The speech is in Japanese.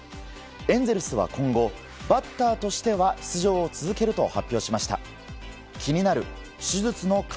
エンゼルスは今後、バッターとしては出場を続けると発表しました。